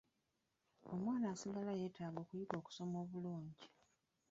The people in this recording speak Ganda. Omwana asigala nga yeetaaga okuyiga okusoma obulungi.